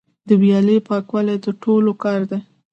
د ویالې پاکول د ټولو کار دی؟